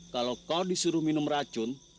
kalau kau disuruh minum racun